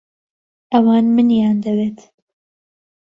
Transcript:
ئەوان منیان دەوێت.